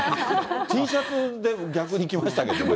Ｔシャツで逆に来ましたけどね。